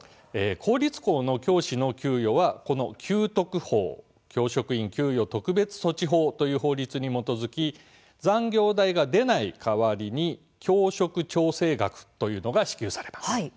公立校の教師の給与は給特法・教職員給与特別措置法という法律に基づき残業代が出ない代わりに教職調整額というのが支給されます。